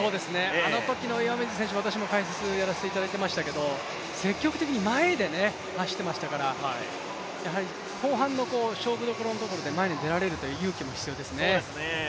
あのときの岩水選手も私、解説させていただきましたけど積極的に前で走ってましたから、後半の勝負どころで前に出られるという勇気も必要ですね。